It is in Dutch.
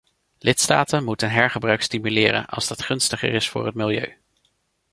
Lidstaten moeten hergebruik stimuleren als dat gunstiger is voor het milieu.